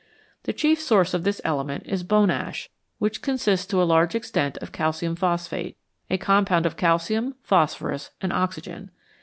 The chief source of this element is bone ash, which consists to a large extent of calcium phosphate, a compound of calcium, phosphorus, and oxygen.